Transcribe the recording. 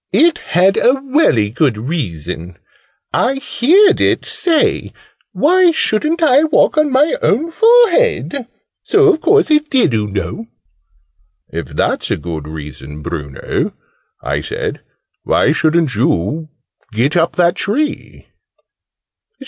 "It had a welly good reason. I heerd it say 'Why shouldn't I walk on my own forehead?' So a course it did, oo know!" "If that's a good reason, Bruno," I said, "why shouldn't you get up that tree?"